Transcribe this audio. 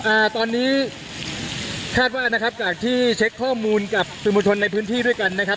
อ่าตอนนี้คาดว่านะครับจากที่เช็คข้อมูลกับสื่อมวลชนในพื้นที่ด้วยกันนะครับ